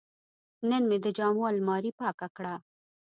نن مې د جامو الماري پاکه کړه.